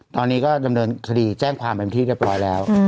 ตอนนี้ก็จำนวนคดีแจ้งความเป็นอย่างที่ได้ปล่อยแล้ว